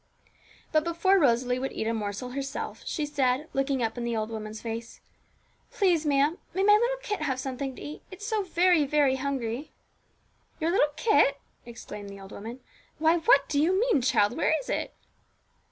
But before Rosalie would eat a morsel herself, she said, looking up in the old woman's face, 'Please, ma'am, may my little kit have something to eat? it's so very, very hungry.' 'Your little kit?' exclaimed the old woman. 'Why, what do you mean, child? Where is it?'